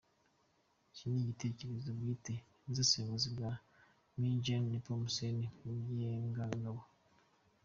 Iki ni igitekerezo bwite n’ubusesenguzi bwa Me Jean Népomuscène Mugengangabo.